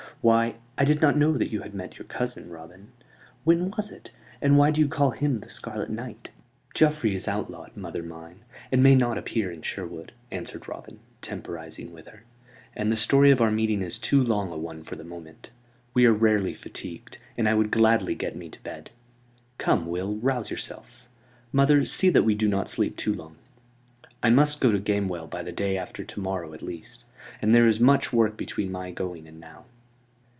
"Why, I did not know that you had met your cousin, Robin. When was it, and why do you call him the Scarlet Knight?" "Geoffrey is outlawed, mother mine, and may not appear in Sherwood," answered Robin, temporizing with her. "And the story of our meeting is too long a one for the moment. We are rarely fatigued, and I would gladly get me to bed. Come, Will, rouse yourself. Mother, see that we do not sleep too long. I must go to Gamewell by the day after to morrow at least; and there is much work between my going and now."